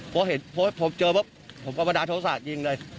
เพราะกว่าผมเจอว่าควรอยากร้านเขาสยิงเลย